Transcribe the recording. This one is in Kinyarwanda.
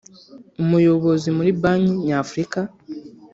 umuyobozi muri banki nyafurika